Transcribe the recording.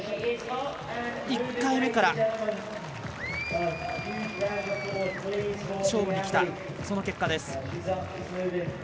１回目から勝負にきたその結果です。